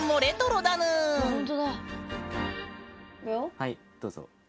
はいどうぞ。